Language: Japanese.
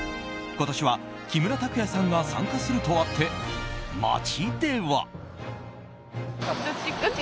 今年は木村拓哉さんが参加するとあって街では。